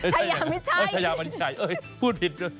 ชายามิชัยชายามิชัยเอ้ยพูดผิด